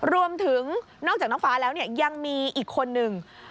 รวมถึงนอกจากน้องฟ้าแล้วเนี่ยยังมีอีกคนนึง